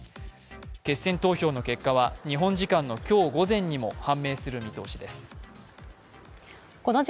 決選投票の結果は日本時間の今日午前にも判明する見通しです。